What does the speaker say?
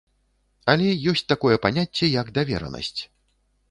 Але ёсць такое паняцце, як даверанасць.